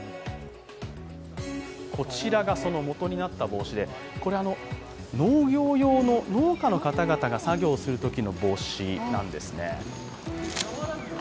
こちらがそのもとになった帽子で農業用の、農家の方が作業するときの帽子なんです。